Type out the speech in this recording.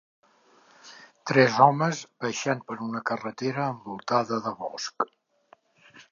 Tres homes baixant per una carretera envoltada de bosc.